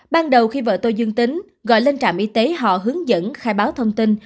ban đầu khi vợ tôi dương tính gọi lên trạm y tế họ hướng dẫn khai báo thông tin